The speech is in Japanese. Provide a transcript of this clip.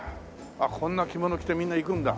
こんな着物着てみんな行くんだ。